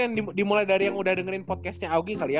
ya mungkin yang dimulai dari yang udah dengerin podcastnya augie kali ya